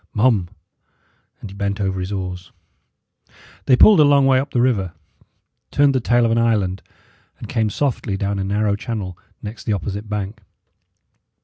Mum!" And he bent over his oars. They pulled a long way up the river, turned the tail of an island, and came softly down a narrow channel next the opposite bank.